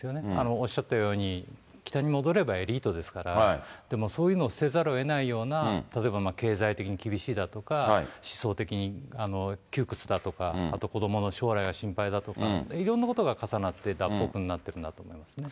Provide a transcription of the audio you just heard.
おっしゃったように、北に戻ればエリートですから、でもそういうのを捨てざるをえないような、例えば経済的に厳しいだとか、思想的に窮屈だとか、あと子どもの将来が心配だとか、いろんなことが重なって、脱北になっていくんだと思いますね。